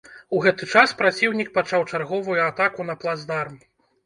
У гэты час праціўнік пачаў чарговую атаку на плацдарм.